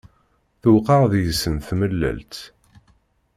Tewqeɛ deg-sen tmellalt.